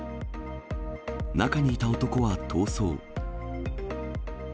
中にいた男は逃走。